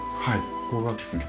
ここがですね